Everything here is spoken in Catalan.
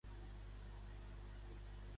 D'aquesta manera, què ha fet palès, Torra?